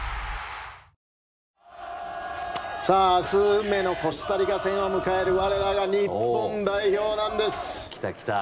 運命のコスタリカ戦を迎える我らが日本代表なんです。